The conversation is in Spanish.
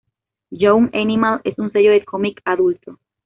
Young Animal es un sello de cómic adulto.